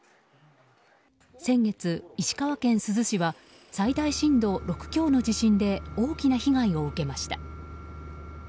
先月、石川県珠洲市は最大震度６強の地震で大きな被害を受けました。